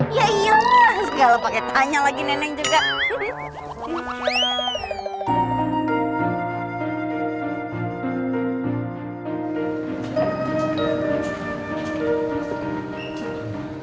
iya iya gak lupa tanya lagi nenek juga